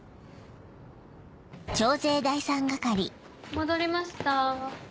⁉戻りました。